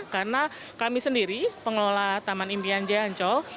karena kami sendiri pengelola taman impian jaya ancol